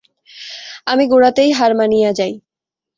আমি গোড়াতেই হার মানিয়া যাই।